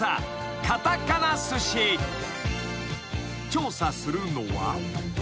［調査するのは］